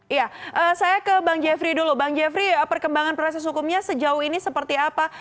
iya saya ke bang jeffrey dulu bang jeffrey perkembangan proses hukumnya sejauh ini seperti apa